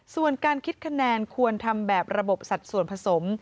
ส่วนการคิดคะแนนควรทำแบบระบบสัดส่วนผสม